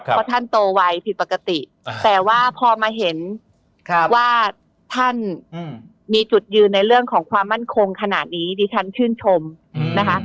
เพราะท่านโตไวผิดปกติแต่ว่าพอมาเห็นว่าท่านมีจุดยืนในเรื่องของความมั่นคงขนาดนี้ดิฉันชื่นชมนะคะ